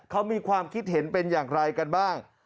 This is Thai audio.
เขามีความคิดเห็นเป็นอย่างไรกันบ้าง